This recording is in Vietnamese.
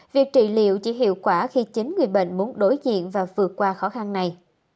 việc trị liệu chỉ hiệu quả khi chính người bệnh muốn đối diện và vượt qua khó khăn này